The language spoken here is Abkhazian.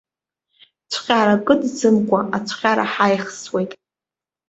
Цәҟьара кыдӡамкәа ацәҟьара ҳаихсуеит.